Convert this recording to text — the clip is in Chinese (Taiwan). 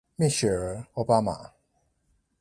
蜜雪兒歐巴馬